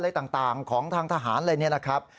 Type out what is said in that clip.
อะไรต่างของทางทหารอะไรเนี่ยนะครับ